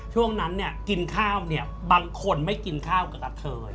ช่วงนั้นเนี่ยกินข้าวเนี่ยบางคนไม่กินข้าวกับกะเทย